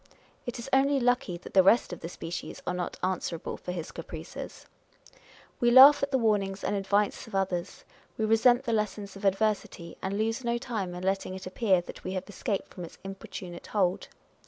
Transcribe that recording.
It is only lucky that the rest of the species are not answerable for his caprices! We laugh at the warnings and advice of others ; we resent the lessons of adversity, and lose no time in letting it appear that we have escaped from its importunate hold.